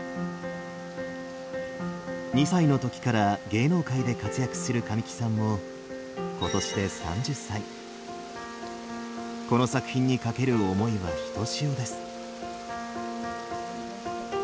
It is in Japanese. ２歳の時から芸能界で活躍する神木さんもこの作品にかける思いはひとしおです。